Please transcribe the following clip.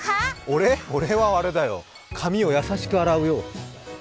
俺はあれだよ、髪を優しく洗うよ。